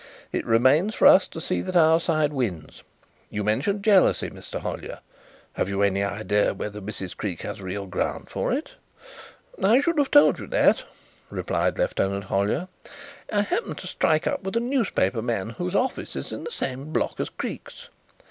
It remains for us to see that our side wins. You mentioned jealousy, Mr. Hollyer. Have you any idea whether Mrs. Creake has real ground for it?" "I should have told you that," replied Lieutenant Hollyer. "I happened to strike up with a newspaper man whose office is in the same block as Creake's.